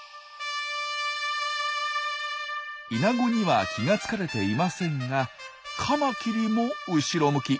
イナゴには気が付かれていませんがカマキリも後ろ向き。